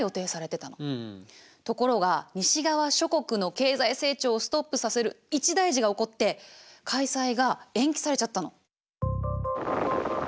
ところが西側諸国の経済成長をストップさせる一大事が起こって開催が延期されちゃったの。